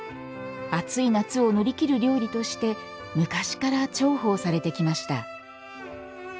暑い夏を乗り切る料理として昔から重宝されてきました。